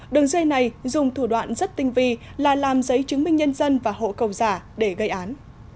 đường dây này dùng thủ đoạn rất tinh vi là làm giấy chứng minh nhân dân và hộ cầu giả để gây án